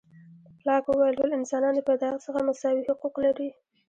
لاک وویل، ټول انسانان د پیدایښت څخه مساوي حقوق لري.